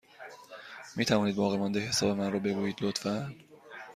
می توانید باقیمانده حساب من را بگویید، لطفا؟